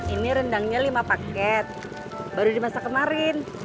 ini rendangnya lima paket baru dimasak kemarin